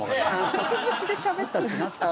暇つぶしでしゃべったって何すか？